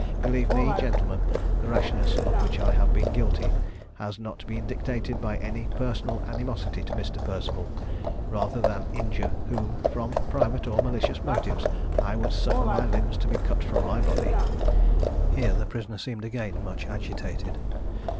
Believe me, gentlemen, the rashness of which I have been guilty has not been dictated by any personal animosity to Mr. Perceval, rather than injure whom, from private or malicious motives, I would suffer my limbs to be cut from my body. (Here the prisoner seemed again much agitated.)